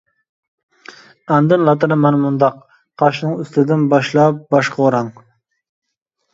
ئاندىن لاتىنى مانا مۇنداق: قاشنىڭ ئۈستىدىن باشلاپ باشقا ئوراڭ.